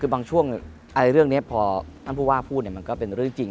คือบางช่วงเรื่องนี้พอท่านผู้ว่าพูดมันก็เป็นเรื่องจริง